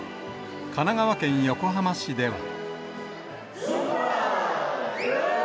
神奈川県横浜市では。